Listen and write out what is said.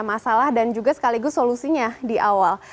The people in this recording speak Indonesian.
masalah dan juga sekaligus solusinya di awal